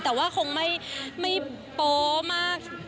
แต่ว่าคงไม่โป๊มาก